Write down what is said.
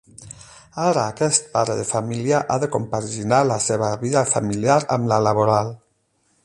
Ara aquest pare de família ha de compaginar la seva vida familiar amb la laboral.